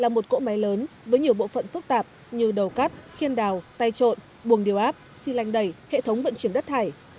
một cỗ máy lớn với nhiều bộ phận phức tạp như đầu cắt khiên đào tay trộn buồng điều áp xi lanh đầy hệ thống vận chuyển đất thải